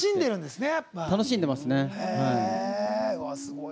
楽しんでますね。